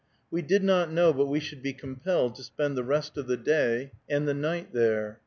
We did not know but we should be compelled to spend the rest of the day and the night there.